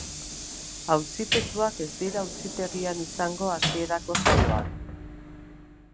Auzipetuak ez dira auzitegian izango hasierako saioan.